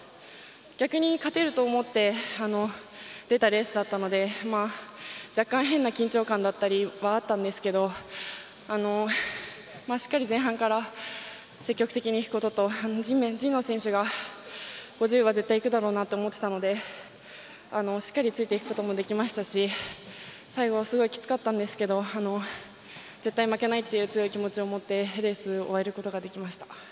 逆に勝てると思って出たレースだったので若干、変な緊張感だったりはあったんですけどしっかり前半から積極的に行くことと神野選手が５０は絶対にいくだろうと思ったのでしっかりついていくこともできましたし最後、すごくきつかったんですが絶対負けないという強い気持ちを持ってレースを終えることができました。